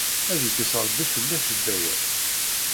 Ad yekkes Ṛebbi fell-ak cedda-ya.